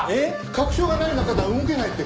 確証がない中では動けないって。